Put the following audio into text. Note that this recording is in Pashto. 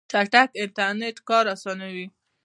چټک انټرنیټ کار اسانوي.